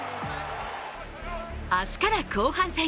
明日から後半戦。